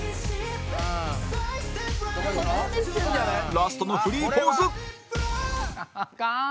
ラストのフリーポーズ